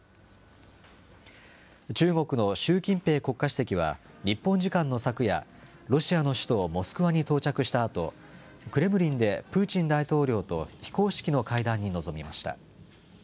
中国の習近平国家主席は、日本時間の昨夜、ロシアの首都モスクワに到着したあと、クレムリンでプーチン大統領と非公式の会談に臨みました。